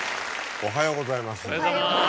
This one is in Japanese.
おはようございます。